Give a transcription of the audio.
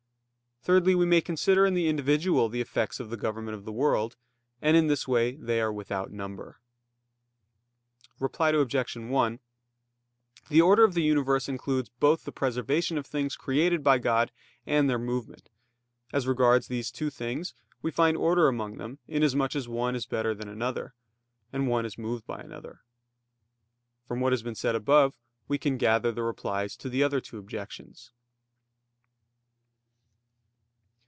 Thirdly, we may consider in the individual the effects of the government of the world; and in this way they are without number. Reply Obj. 1: The order of the universe includes both the preservation of things created by God and their movement. As regards these two things we find order among them, inasmuch as one is better than another; and one is moved by another. From what has been said above, we can gather the replies to the other two objections.